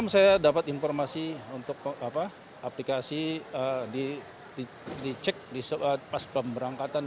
saya dapat informasi untuk aplikasi di cek pas berangkatan